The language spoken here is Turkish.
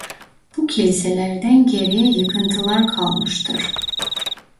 Bu kiliselerden geriye yıkıntılar kalmıştır.